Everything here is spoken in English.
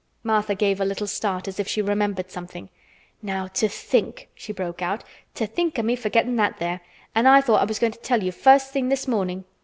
Martha gave a little start, as if she remembered something. "Now to think," she broke out, "to think o' me forgettin' that there; an' I thought I was goin' to tell you first thing this mornin'.